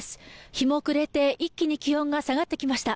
日も暮れて、一気に気温が下がってきました。